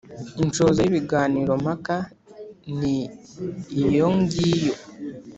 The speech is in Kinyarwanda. Inshoza y’ibiganiro mpaka ni iyongiyo